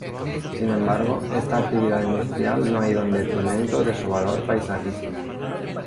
Sin embargo, esta actividad industrial no ha ido en detrimento de su valor paisajístico.